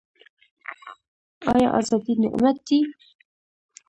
آیا ازادي نعمت دی؟